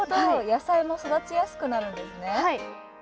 野菜も育ちやすくなるんですね。